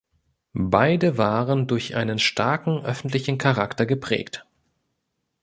Beide waren durch einen starken öffentlichen Charakter geprägt.